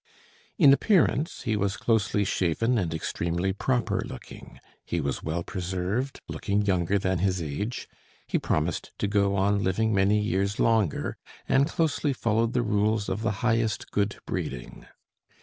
In appearance he was closely shaven and extremely proper looking, he was well preserved, looking younger than his age; he promised to go on living many years longer, and closely followed the rules of the highest good breeding.